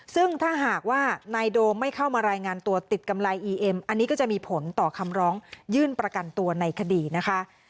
ซึ่งถ้าหากว่านายโดมไม่เข้ามารายงานตัวติดกำไรอีเอ็มอันนี้ก็จะมีผลต่อคำร้องยื่นประกันตัวในคดีนะคะ